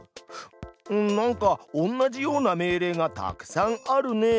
うんなんか同じような命令がたくさんあるね。